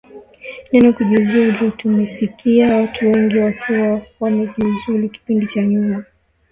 neno kujiuzulu tumesikia watu wengi wakiwa wamejiuzulu kipindi cha nyuma